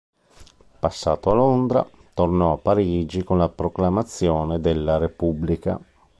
Passato a Londra, tornò a Parigi con la proclamazione della Repubblica.